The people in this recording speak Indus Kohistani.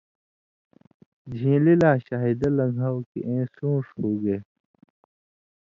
ژھین٘لی لا شاہِدہ لن٘گھاؤ کھیں ایں سُون٘ݜ ہُوگے۔